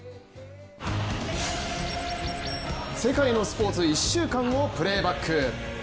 世界のスポーツ１週間をプレーバック。